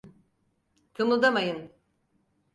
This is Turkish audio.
Kımıldamayın!